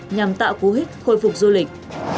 nhằm tạo cú hít khôi phục du lịch